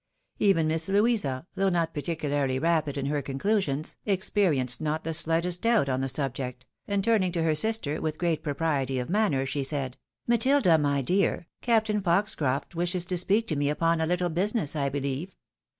Even IMiss Louisa, though not particularly rapid in her conclusions, experienced not the slightest doubt on the subject, and turning to her sister with great propriety of manner, she said, " Matilda, my dear, Captain Foxcroft wishes to speak to me upon a little business, I believe.